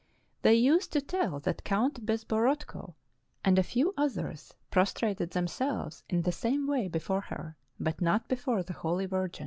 They used to tell that Count Bezborodko and a few others pros trated themselves in the same way before her, but not before the Holy Virgin.